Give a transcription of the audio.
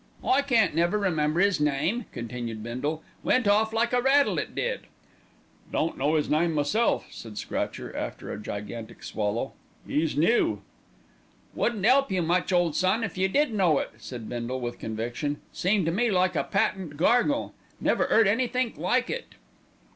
"I can't never remember 'is name," continued Bindle. "Went off like a rattle it did." "Don't know 'is name myself," said Scratcher after a gigantic swallow. "'E's new." "Wouldn't 'elp you much, ole son, if you did know it," said Bindle with conviction. "Seemed to me like a patent gargle. Never 'eard anythink like it."